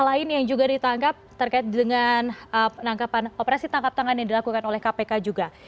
lain yang juga ditangkap terkait dengan operasi tangkap tangan yang dilakukan oleh kpk juga